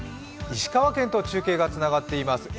石川県と中継がつながっています。